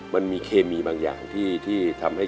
มันมีเคมีบางอย่างที่ทำให้